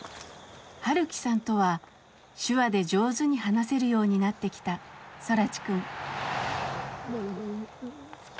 晴樹さんとは手話で上手に話せるようになってきた空知くん。